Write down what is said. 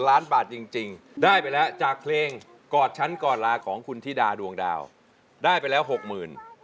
ล้านบาทจริงได้ไปแล้วจากเพลงกอดชั้นกอดลาของคุณธิดาดวงดาวได้ไปแล้ว๖๐๐๐บาท